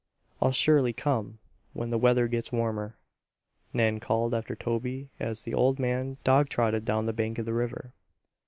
"I'll surely come, when the weather gets warmer," Nan called after Toby as the old man dogtrotted down the bank of the river.